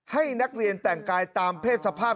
ให้นักเรียนแต่งกายตามเพศสภาพ